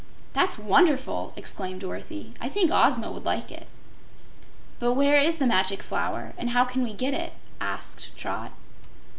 "That's wonderful!" exclaimed Dorothy. "I think Ozma would like it." "But where is the Magic Flower, and how can we get it?" asked Trot.